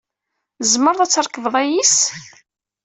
Tzemreḍ ad trekbeḍ ayis?